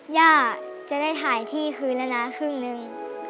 ย่าจะได้ถ่ายที่คืนแล้วนะครึ่งหนึ่ง